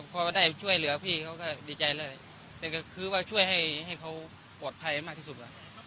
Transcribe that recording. พอได้ช่วยเหลือพี่เขาก็ดีใจแล้วแต่ก็คือว่าช่วยให้เขาปลอดภัยมากที่สุด